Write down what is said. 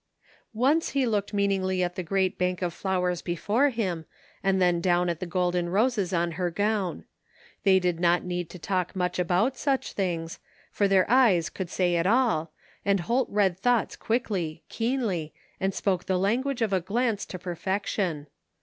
Once he looked meaningly at the great bank of flowers before him and then down at the golden roses on her gown. They did not need to talk much about such things, for their eyes could say it all, and Holt read thoughts quickly, keenly, and spoke the language of a glance to perfection.